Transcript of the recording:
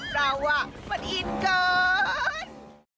เรามันอินเกิน